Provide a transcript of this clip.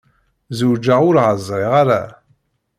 Zewǧeɣ ur ɛezriɣ ara.